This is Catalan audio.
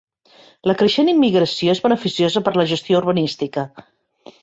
La creixent immigració és beneficiosa per a la gestió urbanística.